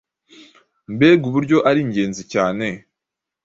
mbega uburyo ari ingenzi cyane